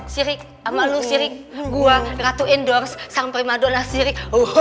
sama lu sirik gua ratu endorse sang prima donna sirik